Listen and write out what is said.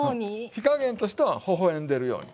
火加減としては微笑んでるように。